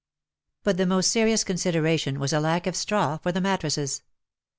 But the most serious consideration was a lack of straw for the mattresses.